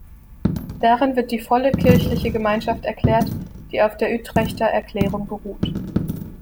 Darin wird die volle kirchliche Gemeinschaft erklärt, die auf der Utrechter Erklärung beruht.